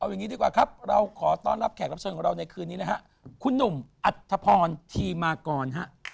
อย่างนี้ดีกว่าครับเราขอต้อนรับแขกรับเชิญของเราในคืนนี้นะฮะคุณหนุ่มอัธพรธีมากรฮะ